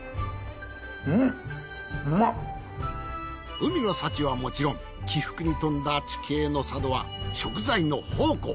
海の幸はもちろん起伏に富んだ地形の佐渡は食材の宝庫。